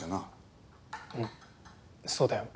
うんそうだよ。